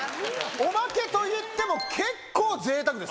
おまけといっても結構ぜいたくです。